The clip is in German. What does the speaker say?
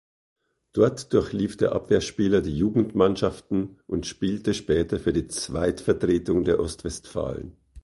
Dort durchlief der Abwehrspieler die Jugendmannschaften und spielte später für die Zweitvertretung der Ostwestfalen.